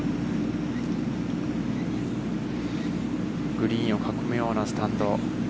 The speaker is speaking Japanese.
グリーンを囲むようなスタンド。